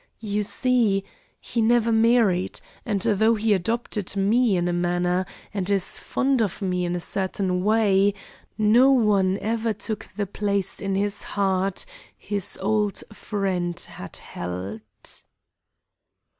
You see, he never married, and though he adopted me, in a manner, and is fond of me in a certain way, no one ever took the place in his heart his old friend had held."